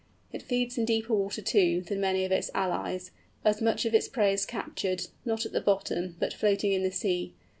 It feeds in deeper water, too, than many of its allies, as much of its prey is captured, not at the bottom, but floating in the sea.